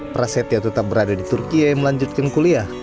prasetya tetap berada di turki melanjutkan kuliah